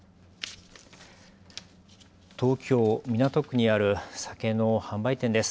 東京港区にある酒の販売店です。